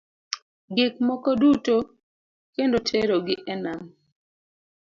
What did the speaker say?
Gik moko duto kendo tero gi e nam.